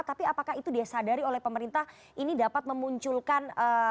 tapi apakah itu disadari oleh pemerintah ini dapat memunculkan